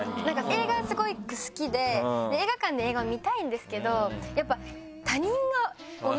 映画スゴく好きで映画館で映画を見たいんですけどやっぱ。